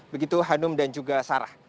begitu hanum dan juga sarah